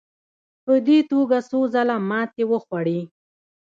په دې توګه څو ځله ماتې وخوړې.